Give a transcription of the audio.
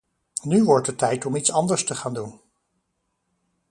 Nu wordt het tijd om iets anders te gaan doen.